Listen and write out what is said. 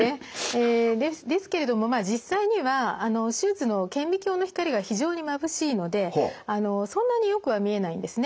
えですけれどもまあ実際には手術の顕微鏡の光が非常にまぶしいのでそんなによくは見えないんですね。